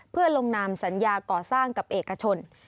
เพื่อลงนามสัญญาก่อสร้างกับเอกชน